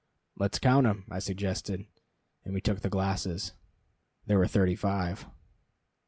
"Let's count'em," I suggested, and we took the glasses. There were thirty five.